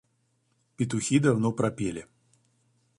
Петухи давно пропели.